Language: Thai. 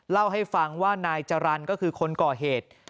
เล่าให้ฟังว่านายจรรย์ก็คือคนก่อเหตุ